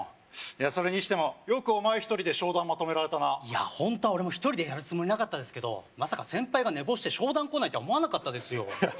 それにしてもよくお前１人で商談まとめられたないやホントは俺も１人でやるつもりなかったんですけどまさか先輩が寝坊して商談来ないって思わなかったですよ